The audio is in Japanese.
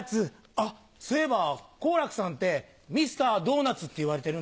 あっそういえば好楽さんって「ミスタードーナツ」っていわれてるんだってね。